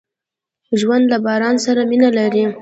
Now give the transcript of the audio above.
ژوندي له باران سره مینه لري